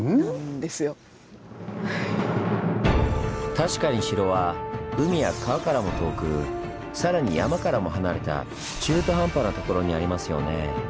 確かに城は海や川からも遠くさらに山からも離れた中途半端な所にありますよね。